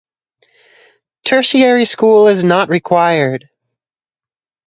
Tertiary school is not required.